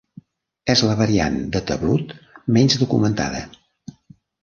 És la variant de tablut menys documentada.